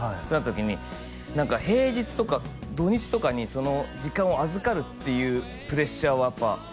そうなった時に何か平日とか土日とかにその時間をあずかるっていうプレッシャーはやっぱあ